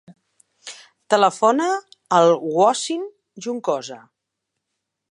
Telefona al Wasim Juncosa.